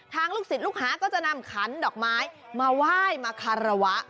ทางลูกสิทธิ์หลุกหาก็จะนำขันดอกไม้มาว่ายมาฆราวะ